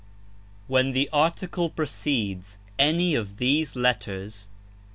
When the article precedes any of these letters, viz.